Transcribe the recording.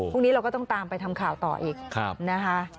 พรุ่งนี้เราก็ต้องตามไปทำข่าวต่ออีกนะคะ